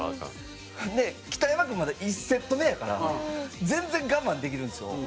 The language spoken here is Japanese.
北山君まだ１セット目やから全然我慢できるんですよ。